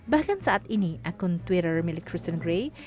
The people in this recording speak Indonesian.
bahkan saat ini akun twitter milik kristen gray